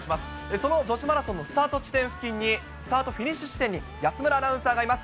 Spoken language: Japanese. その女子マラソンのスタート、フィニッシュ地点に安村アナウンサーがいます。